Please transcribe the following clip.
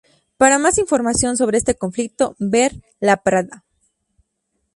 Para más información sobre este conflicto ver La Prada.